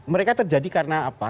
mereka terjadi karena apa